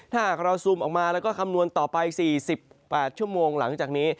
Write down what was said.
ถ้าหากเราซูมออกมาแล้วก็คำนวณต่อไป๔๘ชั่วโมงหลังจากนี้